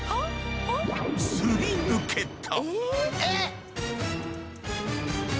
すり抜けた。